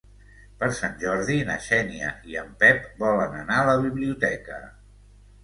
Per Sant Jordi na Xènia i en Pep volen anar a la biblioteca.